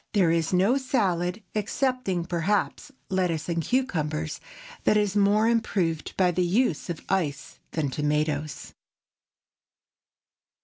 There is no salad, excepting, perhaps, lettuce and cucumbers, that is more improved by the use of ice than tomatoes.